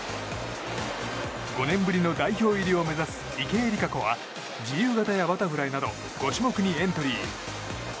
５年ぶりの代表入りを目指す池江璃花子は自由形やバタフライなど５種目にエントリー。